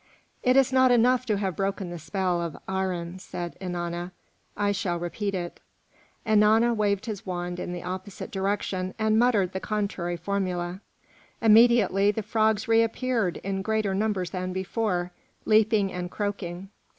"It is not enough to have broken the spell of Aharon," said Ennana; "I shall repeat it." Ennana waved his wand in the opposite direction and muttered the contrary formula. Immediately the frogs reappeared in greater numbers than before, leaping and croaking.